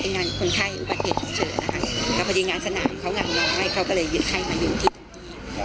เขาก็เลยยึดไข้มาอยู่ที่ตรงนี้